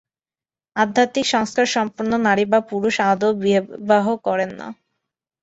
আধ্যাত্মিক সংস্কারসম্পন্ন নারী বা পুরুষ আদৌ বিবাহ করেন না।